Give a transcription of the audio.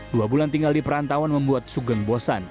dua bulan tinggal di perantauan membuat sugeng bosan